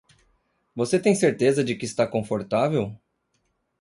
Você tem certeza de que está confortável?